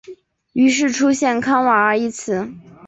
于是出现康瓦尔一词。